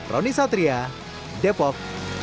roni satria depok